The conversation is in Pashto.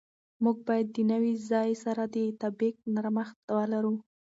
موږ باید د نوي ځای سره د تطابق نرمښت ولرو.